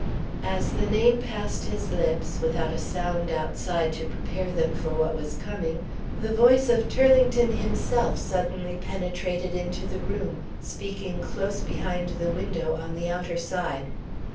As the name passed his lips without a sound outside to prepare them for what was coming the voice of Turlington himself suddenly penetrated into the room, speaking close behind the window, on the outer side.